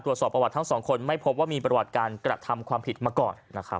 ทาง๒คนไม่พบว่ามีประวัติการกลับทำความผิดมาก่อนนะครับ